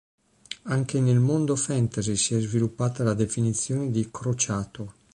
Anche nel mondo fantasy si è sviluppata la definizione di "Crociato".